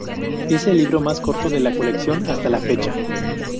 Es el libro más corto de la colección hasta la fecha.